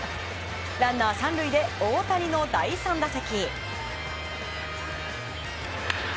ランナー３塁で大谷の第３打席。